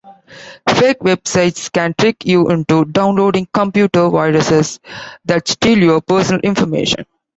Fake websites can trick you into downloading computer viruses that steal your personal information.